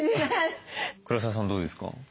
黒沢さんどうですか？